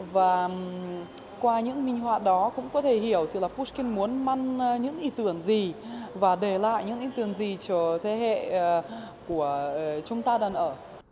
và qua những minh họa đó cũng có thể hiểu thì là postin muốn mang những ý tưởng gì và để lại những ý tưởng gì cho thế hệ của chúng ta đang ở